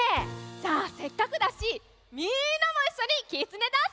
じゃあせっかくだしみんなもいっしょに「きつねダンス」